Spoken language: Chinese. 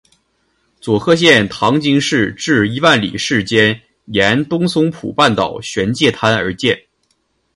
佐贺县唐津市至伊万里市间沿东松浦半岛玄界滩而建。